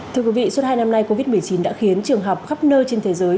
thưa quý vị suốt hai năm nay covid một mươi chín đã khiến trường học khắp nơi trên thế giới